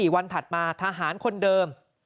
วันถัดมาทหารคนเดิม